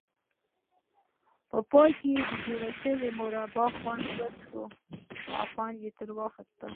په پای کې د جوړې شوې مربا خوند وڅکئ او خوند ترې واخلئ.